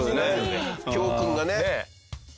教訓がね。